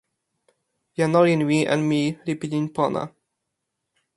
jan olin mi en mi li pilin pona.